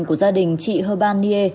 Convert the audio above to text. của gia đình chị hơ ban nhiê